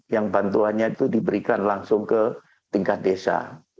yang bantuannya itu diberikan langsung ke tingkat desa